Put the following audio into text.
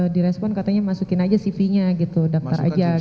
di respon katanya masukin aja cv nya gitu daktar aja gitu